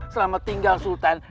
selamat tinggal sultan